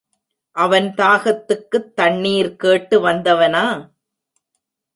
அவன் தாகத்துக்குத் தண்ணீர் கேட்டு வந்தவனா?